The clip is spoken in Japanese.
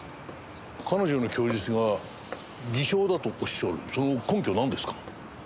彼女の供述が偽証だとおっしゃるその根拠はなんですか？